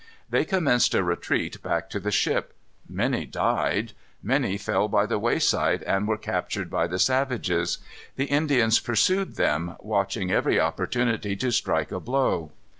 They commenced a retreat back to the ship. Many died. Many fell by the wayside and were captured by the savages. The Indians pursued them, watching every opportunity to strike a blow.